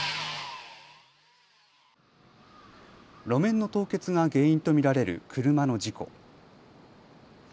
路面の凍結が原因と見られる車の事故。